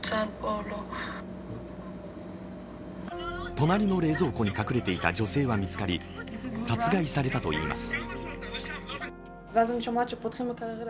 隣の冷蔵庫に隠れていた女性は見つかり、殺害されたといいます。